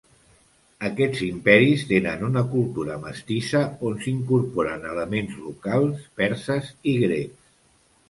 Aquests imperis tenen una cultura mestissa on s'incorporen elements locals, perses i grecs.